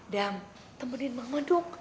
dam temenin mama dong